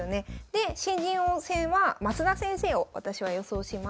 で新人王戦は増田先生を私は予想します。